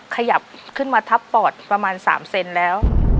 ขยับขึ้นมาทับปอดประมาณ๓เซนแล้ว